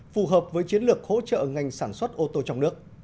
phù hợp với chiến lược hỗ trợ ngành sản xuất ô tô trong nước